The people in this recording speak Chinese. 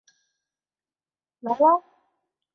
他还是伦敦大学学院访问教授。